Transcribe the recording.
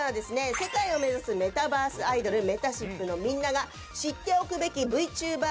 世界を目指すメタバースアイドルめたしっぷのみんなが知っておくべきＶＴｕｂｅｒ